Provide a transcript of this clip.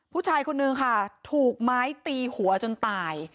ผู้ชายคนนึงค่ะถูกไม้ตีหัวจนตาย